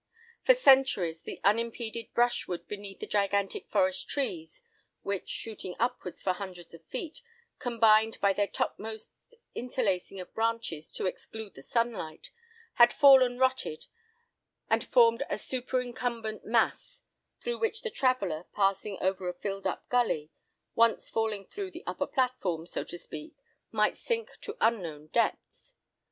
For centuries, the unimpeded brush wood beneath the gigantic forest trees, which, shooting upwards for hundreds of feet, combined by their topmost interlacing of branches to exclude the sunlight, had fallen rotted, and formed a superincumbent mass, through which the traveller, passing over a filled up gully, once falling through the upper platform, so to speak, might sink to unknown depths.